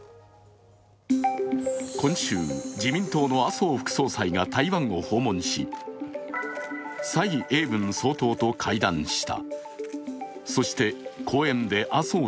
今週、自民党の麻生副総裁が台湾を訪問し、蔡英文総統と会談した。